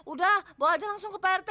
udah bawa aja langsung ke prt